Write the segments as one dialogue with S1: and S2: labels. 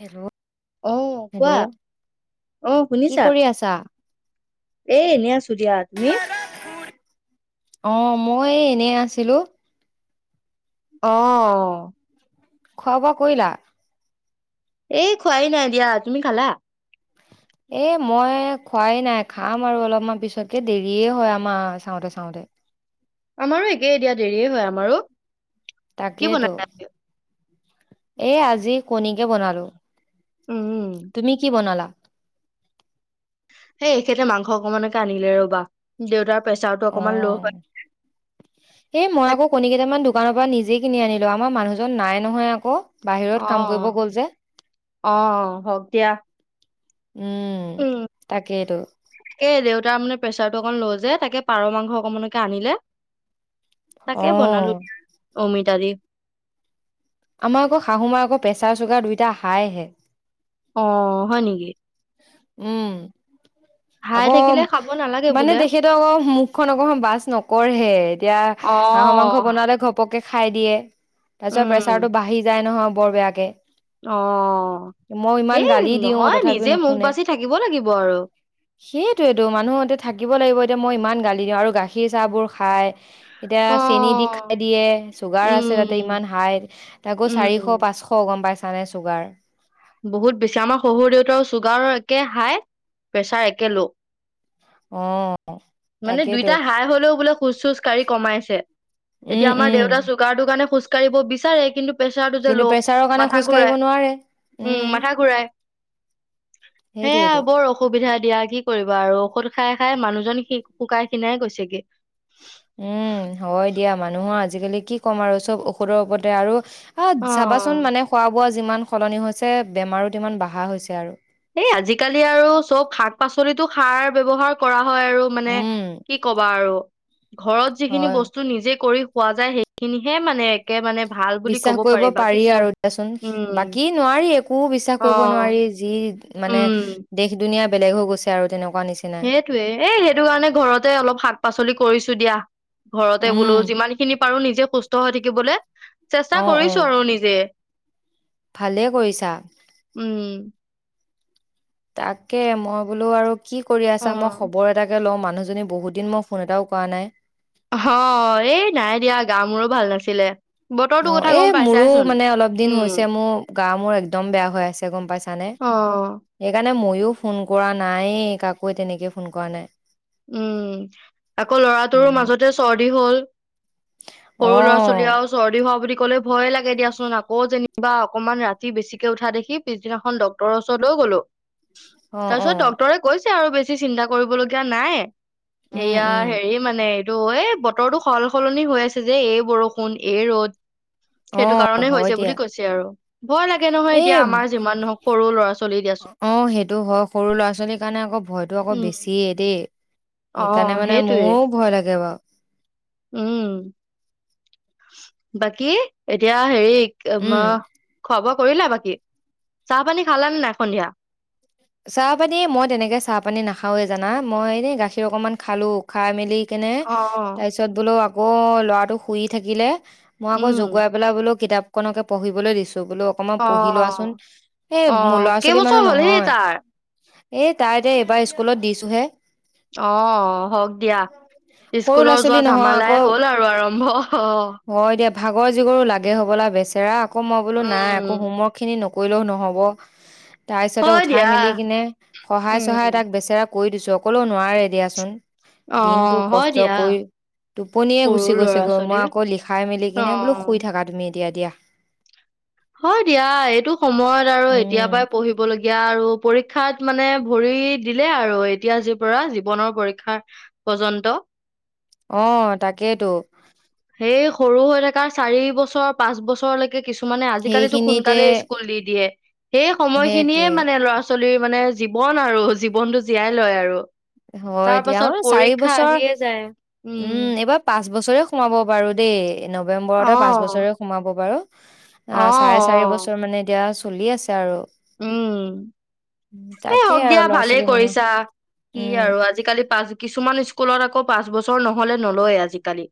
S1: Hello
S2: অ কোৱা,
S1: hello
S2: অহ
S1: কি
S2: শুনিছা
S1: কৰি আছা?
S2: এ এনে আছোঁ দিয়া তুমি
S1: অ মই এ এনে আছিলো
S2: অ
S1: খোৱা বোৱা কৰিলা
S2: এ খোৱাই নাই দিয়া তুমি খালা
S1: [inaudible] এ মই খোৱাই নাই খাম আৰু অলপমান পিছতকে দেৰিয়ে হয় আমাৰ চাওঁতে চাওঁতে
S2: আমাৰো একেই দিয়া দেৰিয়ে হয় আমাৰো কি
S1: তাকেইতো
S2: বনাইছে
S1: এ আজি কণীকে বনালো।
S2: উম
S1: তুমি কি বনালা
S2: সেই এখেতে মাংস অকমানকে আনিলে ৰবা দেউতাৰ প্ৰেচাৰটো
S1: অ
S2: অকমান ল' হয়
S1: এই মই
S2: তাকে
S1: আকৌ কণী কেইটামান দোকান পৰা নিজে কিনি আনিলো আমাৰ মানুহজন নাই নহয় আকৌ
S2: অ',
S1: বাহিৰত কাম কৰিব গ'ল যে
S2: অ', হওক দিয়া। উম
S1: তাকেইতো
S2: এ দেউতাৰ মানে প্ৰেচাৰটো অকণমান ল' যে তাকে পাৰ মাংস অকমানকে আনিলে
S1: অ
S2: তাকে বনালো অমিতা দি
S1: আমাৰ আকৌ শাহু মাৰ আকৌ প্ৰেছাৰ চুগাৰ দুইটা হাইহে
S2: অ হয় নেকি
S1: উম
S2: হাই
S1: আকৌ
S2: থাকিলে খাব নালাগে
S1: মানে
S2: বোলে।
S1: তেখেতে অক মুখখন অক বাছ নকঢ়ে এতিয়া হাঁহৰ মাংস
S2: অ'।
S1: বনালে ঘপক কে খাই দিয়ে তাৰ পিছত প্ৰেচাৰটো
S2: উম,
S1: বাঢ়ি যায় নহয় বৰ বেয়াকে
S2: অ'।
S1: মই ইমান
S2: এই
S1: গালি দিওঁ
S2: নহয়
S1: তথাপিও
S2: নিজে
S1: নু
S2: মুখ
S1: শুনে
S2: বাচি থাকিব লাগিব আৰু
S1: সেইটোৱেটো মানুহ এতিয়া থাকিব লাগিব। এতিয়া মই ইমান গালি দিওঁ আৰু গাখীৰ চাহ বোৰ খাই এতিয়া
S2: অ
S1: চেনি দি খাই দিয়ে চুগাৰ আছে তাতে ইমান
S2: উম
S1: হাই তাকো
S2: উম
S1: চাৰিশ পাঁচশ গম পাইছ ছানে ছুগাৰ
S2: বহুত বেছি আমাৰ শহুৰ দেউতাৰো ছুগাৰৰ একে হাই প্ৰেছাৰ একে ল'
S1: অ
S2: মানে
S1: তাকেইতো
S2: দুইটা হাই হ'লেও বোলে খোজ চোজ কাঢ়ি কমাইছে
S1: উম
S2: এতিয়া আমাৰ
S1: উম
S2: দেউতা চুগাৰটোৰ কাৰণে খোজ কঢ়িব বিচাৰে কিন্তু প্ৰেচাৰটো যে
S1: কিন্তু
S2: ল'
S1: প্ৰেছাৰৰ কাৰণে
S2: মাথা
S1: খোজ কাঢ়িব
S2: ঘূৰাই
S1: নোৱাৰে
S2: উম মাথা ঘূৰাই সেয়া
S1: সেইটোয়েতো
S2: বৰ অসুবিধা দিয়া কি কৰিবা আৰু ঔষধ খাই খাই মানুহজন খি শুকাই খিনাই গৈছেগে
S1: উম, হয় দিয়া মানুহৰ আজিকালি কি ক'ম আৰু চব ঔষধৰ ওপতে আৰু আহ
S2: অ
S1: চাবাচোন মানে খোৱা বোৱা। যিমান সলনি হৈছে বেমাৰো তিমান বাঢ়া হৈছে আৰু
S2: এই আজিকালি আৰু চব শাক পাচলিতো সাৰ ব্যৱহাৰ কৰা হয় আৰু মানে
S1: উম,
S2: কি কবা আৰু ঘৰত যিখিনি
S1: হয়
S2: বস্তু নিজে কৰি খোৱা যায় সেইখিনিহে মানে একে মানে ভাল বুলি
S1: বিশ্বাস
S2: ক'ব
S1: কৰিব
S2: বাকী
S1: পাৰি
S2: চব
S1: আৰু দিয়াচোন
S2: উম
S1: বাকী নোৱাৰি একো বিশ্বাস
S2: অ
S1: কৰিব নোৱাৰি যি মানে
S2: উম
S1: দেশ দুুনীয়া বেলেগ হৈ গৈছে আৰু তেনেকোৱা
S2: সেইটোৱে এই সেইটো কাৰণে ঘৰতে অলপ শাক পাচলি কৰিছো দিয়া ঘৰতে
S1: উম,
S2: বোলো যিমান খিনি পাৰো নিজে সুস্থ হৈ থাকিবলে চেষ্টা
S1: অ',
S2: কৰিছো
S1: অ',
S2: আৰু নিজে
S1: ভালে কৰিছা।
S2: উম!
S1: তাকে মই বোলো আৰু কি কৰি
S2: অ
S1: আছা মই খবৰ এটাকে ল'ম আৰু। মানুহজনী বহুত দিন মই ফোন এটাও কৰা নাই।
S2: অ এই নাই দিয়া গা মোৰো ভাল নাছিলে। বতৰটো
S1: অ
S2: কথা
S1: এ
S2: গম
S1: মোৰো
S2: পাইছাইচোন
S1: মানে অলপ দিন
S2: উম
S1: হৈছে মোৰ গা মোৰ একদম বেয়া হৈ আছে গম পাইছানে,
S2: অ
S1: সেইকাৰণে মই ও ফোন কৰা নাই কাকো তেনেকে ফোন কৰা নাই
S2: উম আকৌ ল'ৰাটোৰো
S1: উম
S2: মাজতে চৰ্দি হ'ল।
S1: অ
S2: সৰু ল'ৰা- ছোৱালী আও চৰ্দি হোৱা বুলি ক'লে ভয়ে লাগে দিয়াচোন আকৌ যেনিবা অকনমান ৰাতি বেছিকে উঠা দেখি পিছদিনাখন ডক্তৰৰ ওচৰত লৈ গলো
S1: অ অ
S2: তাৰপিছত ডক্তৰে কৈছে আৰু বেছি চিন্তা কৰিবলগীয়া নাই
S1: উম
S2: এয়া
S1: উম
S2: হেৰি মানে এইটো এই বতৰটো সল -সলনি হৈ আছে যে এই বৰষুণ এই ৰ'দ।
S1: উ
S2: সেইটো কাৰণেই হৈছে বুলি কৈছে আৰু, ভয় লাগে নহয়
S1: এই
S2: এতিয়া আমাৰ যিমান নহওক সৰু ল'ৰা -ছোৱালী দিয়াচোন।
S1: টো হয় সৰু ল'ৰা- ছোৱালীৰ কাৰণে আকৌ ভয়টো আকৌ
S2: উম
S1: বেছিয়েই দেই,
S2: অ
S1: সেইকাৰণে মানে
S2: সেইটোৱে
S1: মোৰ ভয় লাগে বাৰু।
S2: উম! বাকী এতিয়া হেৰি ম
S1: উম
S2: খোৱা বোৱা কৰিলা বাকী, চাহ পানী খালানে নাই সন্ধিয়া।
S1: চাহ -পানী মই তেনেকে চাহ পানী নাখাওৱে জানা মই এনে গাখীৰ অকনমান খালোঁ খাই মেলি কেনে তাৰ পিছত বোলো আকৌ ল'ৰাটো শুই থাকিলে মই আকৌ
S2: উম
S1: জগুৱাই পেলাই বোলো কিতাপখনকে পঢ়িবলৈ দিছোঁ। বোলো অকমান পঢ়ি লোৱাচোন
S2: অ
S1: এ মোৰ ল'ৰা- ছোৱালী
S2: কেইবছৰ
S1: মানুহ
S2: হ'ল সেই
S1: নহয়।
S2: তাৰ
S1: এ তাই এতিয়া এইবাৰ স্কুলত দিছোহে।
S2: অ হওক দিয়া
S1: সৰু ল'ৰা
S2: স্কুলৰ
S1: ছোৱালী
S2: যোৱা
S1: নহয় আকৌ
S2: ঝামালাই হ'ল আৰু আৰম্ভ অ।
S1: হয় দিয়া ভাগৰ জিগৰো লাগে হ'বলা বেচেৰা আকৌ মই বোলো নাই আক
S2: উম
S1: হোমৱৰ্কখিনি ন নকৰিলেও নহব তাৰপিছতে
S2: হয়
S1: উঠাই
S2: দিয়া
S1: মেলি কিনে সহায়
S2: উম
S1: চহাই তাক বেচেৰা কৰি দিছো অকলো নোৱাৰে দিয়াচোন,
S2: অ
S1: দিনতটো
S2: হয়
S1: কষ্ট
S2: দিয়া
S1: কৰি। টোপনিয়ে
S2: সৰু
S1: গুচি
S2: ল'ৰা
S1: গৈছেগৈ মই
S2: ছোৱালী
S1: আকৌ লিখাই মেলি
S2: অ
S1: কিনে বোলো শুই থাকা তুমি এতিয়া দিয়া।
S2: হয় দিয়া এইটো সময়ত আৰু এতিয়াৰ
S1: উম
S2: পৰাই পঢ়িবলগীয়া আৰু পৰীক্ষাত মানে ভৰি দিলে আৰু এতিয়া আ যি পৰা জীৱনৰ পৰীক্ষা পৰ্যন্ত।
S1: অ তাকেটো।
S2: এই সৰু হৈ থকা চাৰি বছৰ পাঁচ বছৰলৈকে কিছুমানে আজিকালিতো
S1: সেইখিনিতে
S2: সোনকালে স্কুল দি দিয়ে সেই সময় খিনিয়ে
S1: সেইটোৱে
S2: মানে ল'ৰা -ছোৱালী ছোৱালীৰ মানে জীৱন আৰু জীৱনটো জীয়াই লয় আৰু।
S1: হয়
S2: তাৰ
S1: দিয়া
S2: পাছত
S1: অহ চাৰি
S2: পৰীক্ষা
S1: বছৰ,
S2: আহিয়ে যায়
S1: উম! এইবাৰ পাঁচ বছৰে সোমাব বাৰু দেই নৱেম্বৰতে
S2: অ
S1: পাঁচ বছৰে সোমাব বাৰু। অ', চাৰে চাৰি বছৰ মানে এতিয়া চলি আছে আৰু।
S2: উম এই
S1: তাকেই
S2: হওক
S1: আৰু
S2: দিয়া
S1: ল'ৰা-
S2: ভালেই
S1: ছোৱালী মানুহ
S2: কৰিছা কি
S1: উম
S2: আৰু আজিকালি পাঁচ কিছুমান স্কুলত আকৌ পাঁচ বছৰ নহলে নলয়ে আজিকালি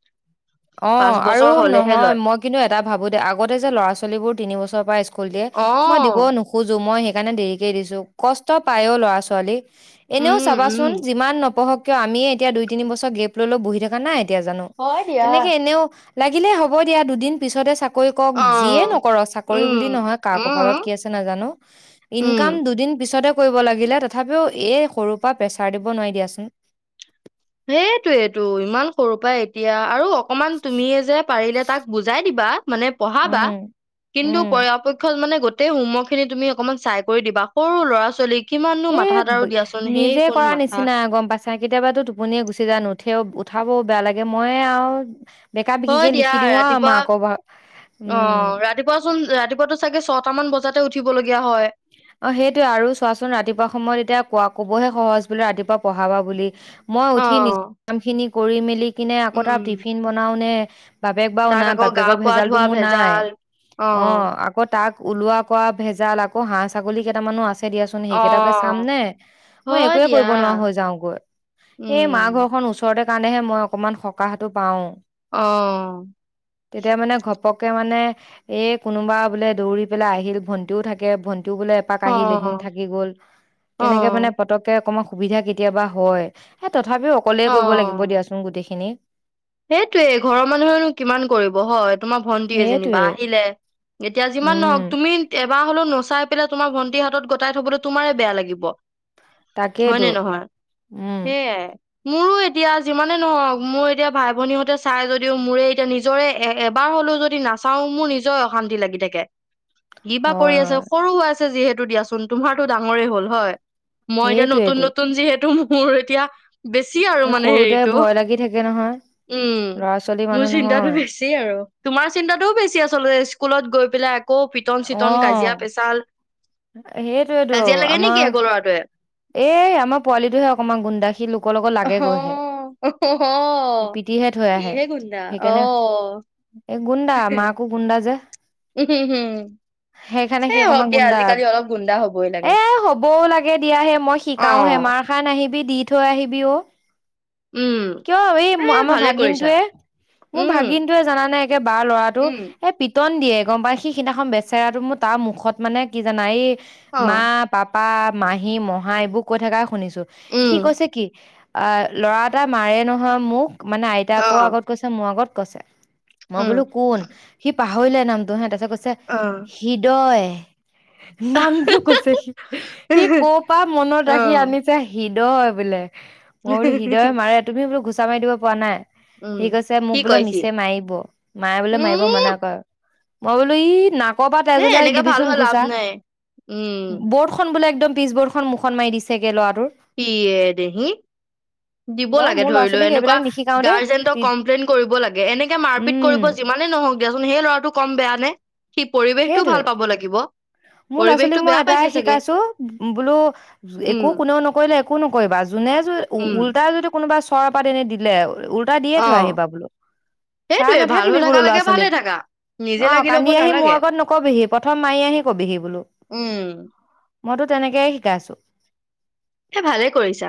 S2: পাঁচ
S1: অ', আৰু
S2: বছৰ হলেহে
S1: নহয়
S2: লয়
S1: মই কিন্তু এটা ভাবোঁ দেই আগতে যে ল'ৰা -ছোৱালীবোৰ তিন বছৰৰ পৰা স্কুল দিয়ে
S2: অ
S1: মই দিবও নোখোজো মই সেইকাৰণে দেৰিকে দিছো কষ্ট পায়ও ল'ৰা- ছোৱালী এনেও
S2: উম উম
S1: চাবাচোন যিমান নপঢ়ক কিয় আমিয়ে এতিয়া দুই -তিনি বছৰ গেপ লৈ -লৈ বহি থকা নাই এতিয়া জানো
S2: হয় দিয়া
S1: তেনেকে এনেও লাগিলে হ'ব দিয়া দুদিন পিছতে চাকৰি কৰক
S2: অ
S1: যিয়ে নকৰ চাকৰি
S2: উম
S1: বুলি নহয় কাৰ
S2: উম
S1: কপালত কি আছে নাজানো
S2: উম,
S1: ইনকাম দুদিন পিছতে কৰিব লাগিলে তথাপিও এই সৰু পৰা প্ৰেচাৰ দিব নোৱাৰি দিয়াচোন।
S2: সেইটোয়েটো ইমান সৰু পাই এতিয়া আৰু অকমান তুমিয়ে যে পাৰিলে তাক বুজাই দিবা মানে পঢ়াবা
S1: উম,
S2: কিন্তু
S1: উম।
S2: পৰাপক্ষত মানে গতি গোটেই হোমৱৰ্ক খিনি তুমি অকমান চাই কৰি দিবা সৰু ল'ৰা- ছোৱালীক
S1: এ' নিজে কৰা
S2: মাথা
S1: নিচিনা গম পাইছা কেতিয়াবাতোটো টোপনিয়ে গুচি যায় নুঠেও উঠাবও বেয়া লাগে ময়ে আৰু বেকা
S2: হয়
S1: বিকিকে
S2: দিয়া
S1: লিখি দিওঁ আৰু
S2: ৰাতিপুৱা
S1: মাক উম
S2: অহ ৰাতিপুৱাচোন ৰাতি ৰাতিপুৱাতো চাগে ছটামান বজাতে উঠিবলগীয়া হয়
S1: অহ, সেইটোয়ে আৰু চোৱাচোন ৰাতিপুৱা সময়ত এতিয়া কোৱা কবহে সহজ বোলে ৰাতিপুৱা পঢ়াবা বুলি মই
S2: অ
S1: উঠি নিজৰ কামখিনি কৰি মেলি কিনে আকৌ তাৰ
S2: উম
S1: টিফিন বনাওঁনে বাপেক বাৰু
S2: তাক
S1: নাই
S2: আকৌ গা
S1: বাপেকৰ
S2: পা
S1: ভেজালটো
S2: ধোৱা
S1: মোৰ নাই
S2: ভেজাল অ
S1: অহ আগত তাক ওলোৱা কৰা ভেজাল আকৌ হাঁহ- ছাগলী কেইটামানো আছে দিয়াচোন
S2: অ
S1: সেইকেইটাকে চাম নে মই
S2: হয়
S1: একোৱে
S2: দিয়া
S1: কৰিব নোৱাৰা হৈ যাওগৈ এই মাহ
S2: উম
S1: ঘৰখন ওচৰতে কাৰণেহে মই অকমান সকাহটো পাও।
S2: অ',
S1: তেতিয়া মানে ঘপককে মানে এই কোনোবা বোলে দৌৰি পেলাই আহিল ভন্টিও থাকে ভন্টি টো বোলে এপাক
S2: অ
S1: আহিল এদিন থাকি গ'ল তেনেকে
S2: অ
S1: মানে পতককে অকমান সুবিধা কেতিয়াবা হয় হে তথাপিও অকলে কৰিব লাগিব দিয়াচোন গোটেইখিনি।
S2: সেইটোৱে ঘৰৰ মানুহেনো কিমান কৰিব হয় তোমাৰ ভন্টিয়ে যেনিবা
S1: সেইটোৱে
S2: আহিলে এতিয়া যিমান নহক
S1: উম
S2: তুমি [unintelligible] পেলাই তোমাৰ ভন্টি হাতত গটাই থবলে তোমাৰে বেয়া লাগিব।
S1: তাকেইতো
S2: হয়নে নহয়
S1: উম
S2: সেয়াই। মোৰো এতিয়া যিমানে নহওক মোৰ এতিয়া ভাই ভনীহঁতে চাই যদিও মোৰে এতিয়া নিজৰে এবাৰ হলেও যদি নাচাও মোৰ নিজৰ অশান্তি লাগি থাকে।
S1: [inaudible]
S2: কিবা কৰি
S1: হয়
S2: আছে
S1: হয়
S2: সৰু হৈ আছে যিহেতু দিয়াচোন তোমাৰতো ডাঙৰেই হল হয়। মই এতিয়া নতুন
S1: সেইটোৱেইটো
S2: -নতুন যিহেতু মোৰ এতিয়া বেছি আৰু
S1: এই
S2: মানে
S1: সৰুতে
S2: হেৰিটো
S1: ভয় লাগি থাকে নহয়
S2: উম,
S1: ল'ৰা ছোৱালী
S2: মোৰ
S1: মানুহ
S2: চিন্তাটো
S1: নহয়
S2: বেছি আৰু। তোমাৰ চিন্তাটোও বেছি আচলতে স্কুলত গৈ পেলাই আকৌ পিটন- চিটন কাজিয়া পেচাল
S1: সেইটোৱেটো
S2: কাজিয়া লাগে নেকি
S1: আমাৰ
S2: আকৌ ল'ৰাটোৱে
S1: এ'আমাৰ পোৱালিটোহে অকমান গুণ্ডা সী লোকৰ লগত লাগে গৈহে
S2: অ',
S1: পিতিহে থৈ আহে
S2: ইহে গুণ্ডা
S1: সেইকাৰণে
S2: অ',
S1: এই গুণ্ডা মাকো গুডা যে
S2: [unintelligible]
S1: সেইকাৰণে সি
S2: এই হওক
S1: অকমান
S2: দিয়া
S1: গুণ্ডা
S2: আজিকালি অলপ গুণ্ডা হ'বই লাগে
S1: এ 'হবও লাগে এতিয়াহে মই শিকাওহে
S2: অ',
S1: মাৰ খায় নাহিবি দি থৈ আহিবি অ'।
S2: উম,
S1: কিয় এই
S2: এ
S1: আমাৰ
S2: ভালে কৰিছা
S1: ভাগিনটোৱে মোৰ
S2: উম,
S1: ভাগিনটোয়ে জানানে একে বাৰ ল'ৰাটো
S2: উম,
S1: এ'পিতন দিয়ে গম পাই সি সিদিনাখন বেচেৰাটো মোৰ তাৰ মুখত মানে কি জানা এই মা
S2: অ',
S1: -পাপ পাপা, মাহী-মহা এইবোৰ কৈ থাকাই শুনিছো
S2: উম,
S1: সি কৈছে কি? আহ ল'ৰা এটা মাৰে নহয় মোক মানে আইতাক
S2: অ',
S1: আগত কৈছে মোৰ আগত কৈছে মই
S2: উম,
S1: বোলো কোন সি পাহৰিলে নামটো হে তাৰ পিছত কৈছে
S2: অ',
S1: হৃদয় নামটো কৈছে সি সি কৰ পৰা মনত ৰাখি
S2: অ',
S1: আনিছে সি হৃদয় বোলে মই বোলো হৃদয়ে মাৰে তুমি বোলো ঘুচা মাৰি দিব পৰা নাই
S2: উম,
S1: সি কৈছে মোক
S2: কি
S1: বোলে
S2: কয় সি
S1: মিছে মাৰিব মায় বোলে মাৰিব
S2: উম
S1: মানা কৰ মই বোলো ই নাক কপা তেজ
S2: এ
S1: ওলায়
S2: এনেকে ভাল
S1: দিবিচোন
S2: হৈ লাভ
S1: ঘুছা
S2: নাই। উম,
S1: বৰ্ডখন বোলে পিচবৰ্ডখন মুখত মাৰি দিছেগে ল'ৰাটো
S2: ইয়ে এ দেহি দিব
S1: মই
S2: লাগে
S1: মোৰ ল'ৰা
S2: ধৰি লৈ
S1: ছোৱালীক
S2: এনেকোৱা
S1: এইবিলাক নিশিকাও দেই
S2: গাৰ্জেন্টক কমপ্লেইন কৰিব লাগে এনেকে মাৰপিত
S1: উম
S2: কৰিব যি মানে নহওক দিয়াচোন সেই ল'ৰাটো কম বেয়া নে সি পৰিৱেশটোও
S1: সেইটোয়ে
S2: ভাল পাব লাগিব
S1: মোৰ ল'ৰা ছোৱালীক
S2: পৰিৱেশটো
S1: মই
S2: বেয়া
S1: এটাই
S2: পাইছে চাগে
S1: শিকাইছো বোলো
S2: উম,
S1: একো কোনেও নক কৰিলে একো নকৰিবা যোনে য
S2: উম,
S1: উলটাই যদি কোনোবা চৰপাত এনি দিলে উল্টা দিয়ে থৈ
S2: অ',
S1: আহিবা বোলো। চাই
S2: সেইটোয়ে ভাল হৈ
S1: নাথাকিবি
S2: থাকা
S1: বোলো ল'ৰা
S2: লাগে ভালে
S1: ছোৱালীক
S2: থাকা নিজে
S1: অ
S2: লাগি ল'ব
S1: কান্দি আহি মোৰ
S2: নালাগে
S1: আগত নকবিহি প্ৰথম মাৰি আহি কবিহি বোলো
S2: উম,
S1: মইতো তেনেকেহে শিকাইছো
S2: সেই ভালে কৰিছা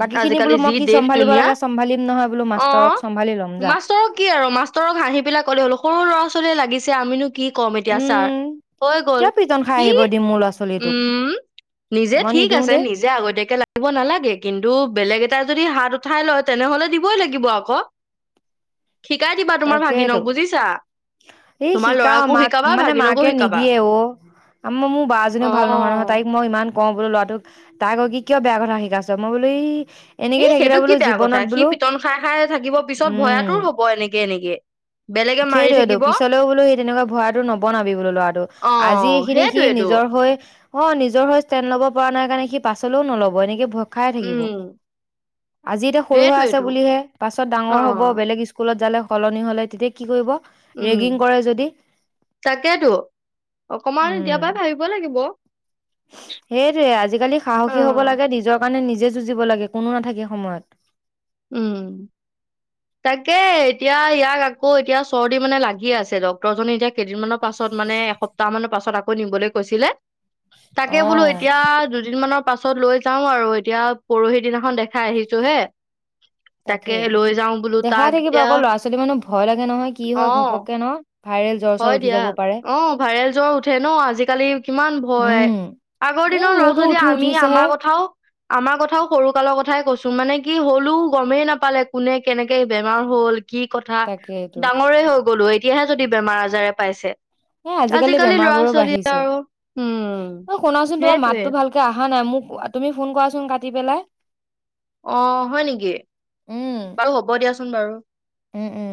S1: বাকীখিনি
S2: আজিকালি
S1: বোলো মই
S2: যি
S1: কি
S2: দেশ
S1: চম্ভালিব
S2: দুুনীয়া
S1: লাগে চম্ভালিম নহয় বোলো
S2: অ
S1: মাষ্টৰক চম্ভালি ল'ম যা
S2: মাষ্টৰক কি আৰু মাষ্টৰক হাঁহি পেলাই কলো সৰু ল'ৰা ছোৱালীয়ে লাগি ছে আমিনো কি ক'ম এতিয়া ছাৰ
S1: উম
S2: হৈ গল
S1: কিয় পিটন খাই
S2: ই
S1: আহিব দিম মোৰ ল'ৰা ছোৱালীটোক
S2: উম নিজে
S1: মই
S2: ঠিক
S1: নিদিওঁ
S2: আছে
S1: দেই
S2: নিজে আগতীয়াকে এক লাগিব নালাগে কিন্তু বেলেগ এটাই যদি হাত উঠাই লয় তেনেহলে দিবই লাগিব আকৌ
S1: [inaudible]
S2: শিকাই দিবা তোমাৰ
S1: তাকেইতো
S2: ভাগিনক বুজিছা।
S1: এই
S2: তোমাৰ
S1: শিকা
S2: ল'ৰাকো
S1: মাক
S2: শিকাবা
S1: মানে
S2: ভাগিনকো
S1: মাকে
S2: শিকাবা
S1: নিদিয়ে অ আ মই মোৰ
S2: অ
S1: বাজনীও ভাল নহয় নহয় তাইক মই ইমান কওঁ বোলো ল'ৰাটোক তাইক কি কিয় বেয়া কথা শিকাইছ মই বোলো ই
S2: এ
S1: এনেকে থাকিলে
S2: সেইটো
S1: বোলো
S2: কি বেয়া কথা
S1: জীৱনত
S2: সি
S1: বোলো
S2: পিটন খাই খাই থাকিব পিছত ভয়াতুৰ
S1: উম
S2: হ'ব এনেকে এ কে।
S1: সেইটোৱেতো পিছলেও বোলো সেই তেনেকোৱা ভয়াতুৰ নবনাবি বোলো ল'ৰাটো
S2: অ
S1: আজি এইখিনি সি
S2: সেইটোৱেতো
S1: নিজৰ হৈ অ নিজৰ হৈ ষ্টেণ্ড ল'ব পৰা নাই কাৰণে সি পাছলৈও নলব এনেকে ভয় খাই থাকিব।
S2: উম
S1: আজি এতিয়া সৰু হৈ আছে
S2: সেইটোৱেতো
S1: বুলিহে পাছত
S2: অ
S1: ডাঙৰ হব বেলেগ স্কুলত যালে সলনি হলে তেতিয়া কি কৰিব
S2: উম
S1: ৰেগিং কৰে যদি,
S2: তাকেতো অকমান এতিয়াৰ পৰা ভাবিব লাগিব।
S1: সেইটোৱে আজিকালি সাহসী হ'ব
S2: অ',
S1: লাগে নিজৰ কাৰণে নিজ জে যুজিব লাগে কোনো নাথাকে সময়ত
S2: উম তাকে এতিয়া ইয়াক আকৌ এতিয়া চৰ্দি মানে লাগি আছে ডক্তৰজনে এতিয়া কেইদিনমানৰ পাছত মানে এসপ্তাহ মানৰ পাছত আকৌ নিবলৈ কৈছিলে তাকে
S1: অ
S2: বোলো এতিয়া দুদিনমানৰ পাছত লৈ যাও আৰু এতিয়া পৰহি দিনাখন দেখাই আহিছো হে।
S1: [inaudible] তাকে
S2: লৈ যাওঁ বোলো
S1: দেখাই
S2: তাক
S1: থাকিবা
S2: এতিয়া
S1: আকৌ ল'ৰা ছোৱালী মানুহ ভয় লাগে নহয় কি হয়
S2: অ',
S1: ঘপককে ন ভাইৰেল জ্বৰ চৰ
S2: হয়
S1: উঠি
S2: দিয়া
S1: যাব পাৰে
S2: অ ভাইৰেল জ্বৰ উঠে ন আজিকালি কিমান ভয়।
S1: উম
S2: আগৰ
S1: এ
S2: দিনৰ ল'ৰা
S1: মোৰতো
S2: ছোৱালীয়ে
S1: উঠি
S2: আমি
S1: উঠিছেহে
S2: আমাৰ কথাও আমাৰ কথাও সৰু কালৰ কথাই কৈছো মানে কি হ'লেও গমেই নাপালে কোনে কেনেকে বেমাৰ হল কি কথা
S1: তাকেইটো
S2: ডাঙৰে হৈ গলো এতিয়াহে যদি বেমাৰ আজাৰে পাইছে
S1: হ আজিকালি বেমাৰ
S2: ল'ৰা
S1: বোৰো
S2: ছোৱালীয়ে
S1: বাঢ়িছে
S2: আৰু উম
S1: অ শুনাচোন তোমাৰ
S2: সেইটোৱে
S1: মাততো ভালকে অহা নাই মোক। তুমি ফোন কৰাচোন কাটি পেলাই
S2: অহ হয় নেকি
S1: উম
S2: বাৰু হ'ব দিয়াচোন বাৰু,
S1: উম উম